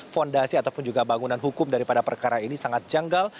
fondasi ataupun juga bangunan hukum daripada perkara ini sangat janggal